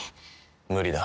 無理だ。